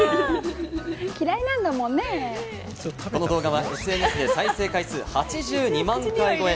この動画はＳＮＳで再生回数８２万回超え。